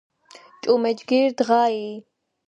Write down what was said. ჭუმე ჯგირ დღა იი